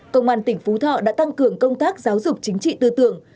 công an tỉnh phú thọ đã tăng cường công tác giáo dục chính trị tư tưởng